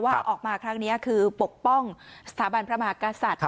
ออกมาครั้งนี้คือปกป้องสถาบันพระมหากษัตริย์